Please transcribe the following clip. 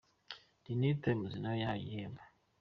The New Times nayo yahawe igihembo.